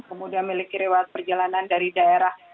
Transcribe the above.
kemudian memiliki rewat perjalanan dari daerah